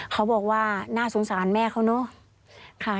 เขาบอกว่าน่าสงสารแม่เขาเนอะ